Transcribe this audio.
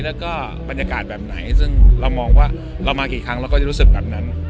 แล้วก็บรรยากาศแบบไหนซึ่งเรามองว่าเรามากี่ครั้งเราก็จะรู้สึกแบบนั้น